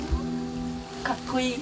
かっこいい。